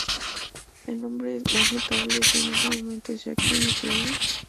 El nombre más notable, en ese momento, era Jackie McLean.